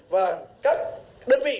và các đơn vị